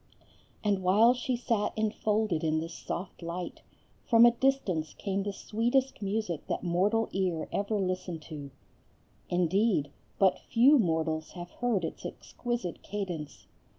And while she sat enfolded in this soft light, from a distance came the sweetest music that mortal ear ever listened to. Indeed, but few mortals have heard its exquisite cadence.